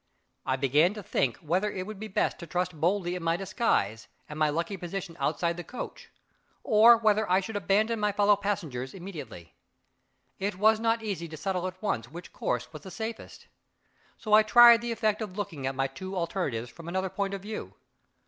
I began to think whether it would be best to trust boldly in my disguise, and my lucky position outside the coach, or whether I should abandon my fellow passengers immediately. It was not easy to settle at once which course was the safest so I tried the effect of looking at my two alternatives from another point of view.